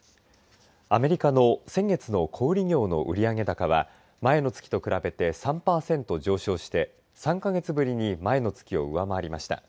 アメリカの先月の小売業の売上高は前の月と比べて３パーセント上昇して３か月ぶりに前の月を上回りました。